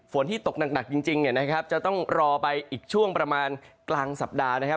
ฝนที่ตกหนักจริงจะต้องรอไปอีกช่วงประมาณกลางสัปดาห์